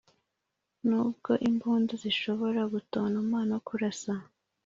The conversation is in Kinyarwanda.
nubwo imbunda zishobora gutontoma no kurasa,